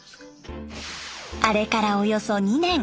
あれからおよそ２年。